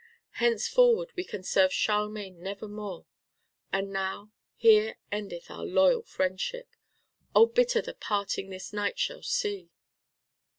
Henceforward we can serve Charlemagne never more. And now here endeth our loyal friendship. Oh, bitter the parting this night shall see."